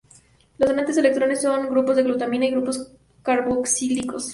Los donantes de electrones son grupos de glutamina y grupos carboxílicos.